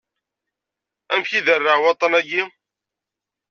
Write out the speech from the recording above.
Amek iderreε waṭṭan-ayi?